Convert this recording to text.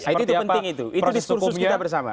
itu penting itu diskursus kita bersama